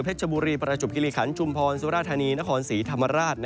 ชบุรีประจบกิริขันชุมพรสุราธานีนครศรีธรรมราช